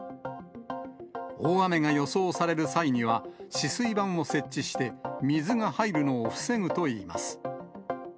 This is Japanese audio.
大雨が予想される際には、止水板を設置して水が入るのを防ぐといいます。